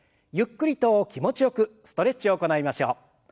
ゆっくりと気持ちよくストレッチを行いましょう。